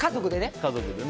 家族でね。